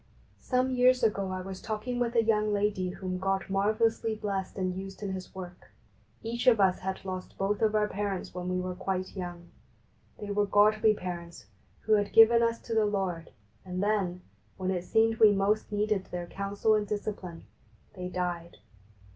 Some years ago I was talking with a young lady whom God marvellously blessed and used in His work. Each of us had lost both of our parents when we were quite young. They were godly parents, who had given us to the Lord, and then, when it seemed we most needed their counsel and discipline, they died.